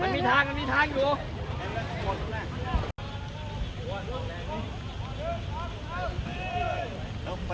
สุดท้ายสุดท้าย